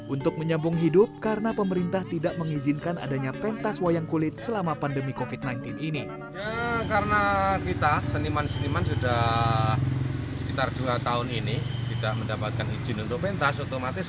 untuk menyambung hidup karena pemerintah tidak mengizinkan adanya pentas wayang kulit selama pandemi covid sembilan belas ini